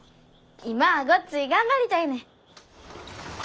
今はごっつい頑張りたいねん。